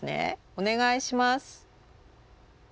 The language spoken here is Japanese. お願いします。